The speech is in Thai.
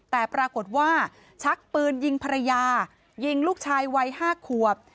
แต่ปรากฏว่าชักปืนยิงภรรยายิงลูกชายวัย๕ขวบ